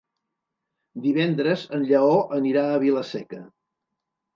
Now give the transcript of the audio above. Divendres en Lleó anirà a Vila-seca.